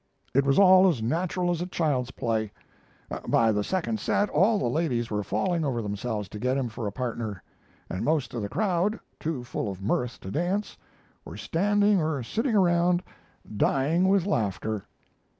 It was all as natural as a child's play. By the second set, all the ladies were falling over themselves to get him for a partner, and most of the crowd, too full of mirth to dance, were standing or sitting around, dying with laughter.